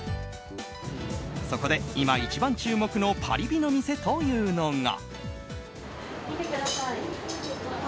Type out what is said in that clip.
そこで今一番注目のパリビの店というのが。